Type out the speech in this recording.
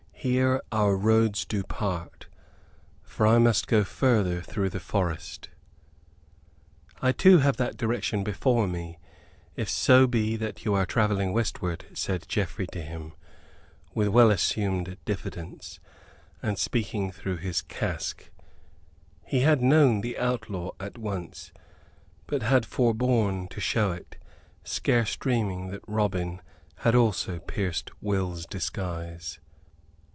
"Here our roads do part, for I must go further through the forest." "I, too, have that direction before me, if so be that you are travelling westward," said Geoffrey to him, with well assumed diffidence, and speaking through his casque. He had known the outlaw at once; but had forborne to show it, scarce dreaming that Robin also had pierced Will's disguise.